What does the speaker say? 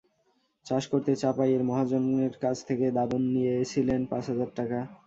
চাষ করতে চাঁপাইয়ের মহাজনের কাছে থেকে দাদন নিয়েছিলেন পাঁচ হাজার টাকা।